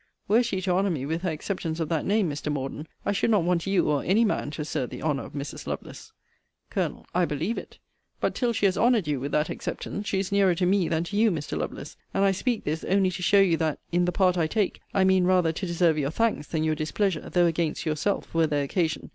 Were she to honour me with her acceptance of that name, Mr. Morden, I should not want you or any man to assert the honour of Mrs. Lovelace. Col. I believe it. But still she has honoured you with that acceptance, she is nearer to me than to you, Mr. Lovelace. And I speak this, only to show you that, in the part I take, I mean rather to deserve your thanks than your displeasure, though against yourself, were there occasion.